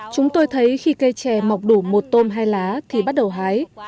chúng tôi thấy khi cây chè mọc đủ một tôm hai lá thì bắt đầu hái